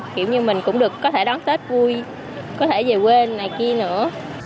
kiểu như mình cũng được có thể đón tết vui có thể về quê này kia nữa